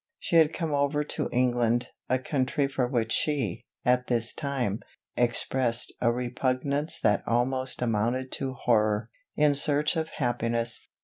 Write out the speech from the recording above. She had come over to England, a country for which she, at this time, expressed "a repugnance, that almost amounted to horror," in search of happiness.